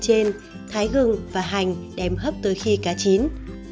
bí đao trên thái gừng và hành đem hấp tới khi cá chín